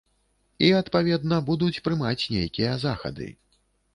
І адпаведна будуць прымаць нейкія захады.